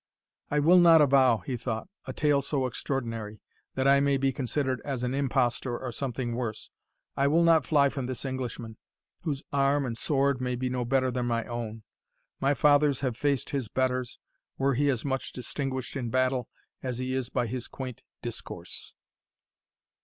"I will not avow," he thought, "a tale so extraordinary, that I may be considered as an impostor or something worse I will not fly from this Englishman, whose arm and sword may be no better than my own. My fathers have faced his betters, were he as much distinguished in battle as he is by his quaint discourse."